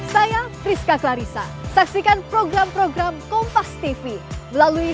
saya priska clarissa saksikan program program kompas tv melalui